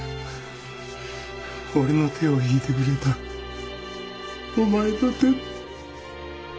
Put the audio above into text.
俺の手を引いてくれたお前の手。